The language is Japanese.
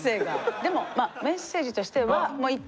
でもまあメッセージとしては一回